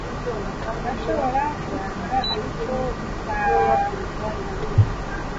urashobora kubibona ariko bizakuna